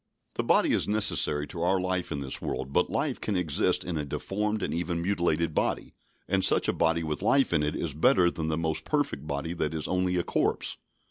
The body is necessary to our life in this world, but life can exist in a deformed and even mutilated body; and such a body with life in it is better than the most perfect body that is only a corpse.